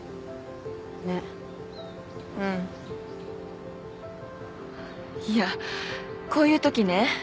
ねっうんいやこういうときね